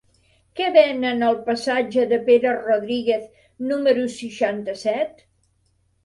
Què venen al passatge de Pere Rodríguez número seixanta-set?